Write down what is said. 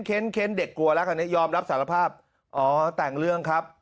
เค้นเค้นเด็กกลัวแล้วยอมรับสารภาพอ๋อแต่งเรื่องครับ